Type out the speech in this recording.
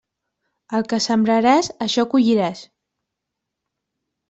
El que sembraràs, això colliràs.